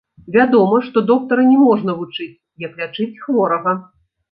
Вядома, што доктара не можна вучыць, як лячыць хворага.